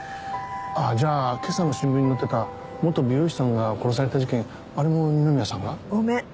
じゃあ今朝の新聞に載ってた元美容師さんが殺された事件あれも二宮さんが？ごめん。